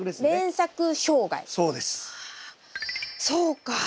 そうか。